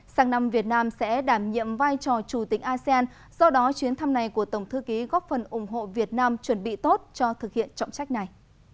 sáng năm việt nam sẽ đảm nhiệm vai trò chủ tịch asean do đó chuyến thăm này của tổng thư ký góp phần ủng hộ việt nam chuẩn bị tốt cho thực hiện trọng trách này